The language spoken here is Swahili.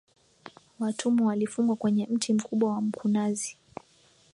Watumwa walifungwa kwenye mti mkubwa wa Mkunazi